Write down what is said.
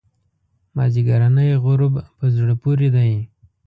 مازیګرنی غروب په زړه پورې دی.